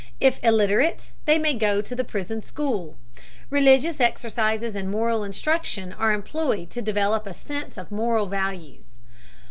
If illiterate they may go to the prison school. Religious exercises and moral instruction are employed to develop a sense of moral values.